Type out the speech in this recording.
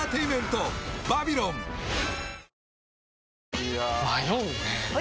いや迷うねはい！